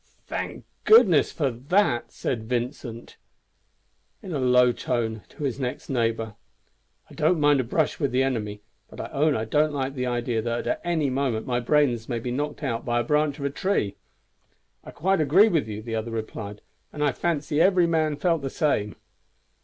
"Thank goodness for that!" Vincent said in a low tone to his next neighbor. "I don't mind a brush with the enemy, but I own I don't like the idea that at any moment my brains may be knocked out by the branch of a tree." "I quite agree with you," the other replied; "and I fancy every man felt the same."